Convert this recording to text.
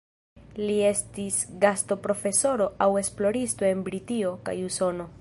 Li estis gastoprofesoro aŭ esploristo en Britio kaj Usono.